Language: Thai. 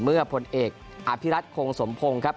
เมื่อพลเอกอภิรัชโครงสมพงศ์ครับ